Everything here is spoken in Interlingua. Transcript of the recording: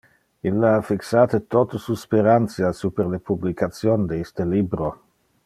Ille ha fixate tote su sperantia super le publication de iste libro.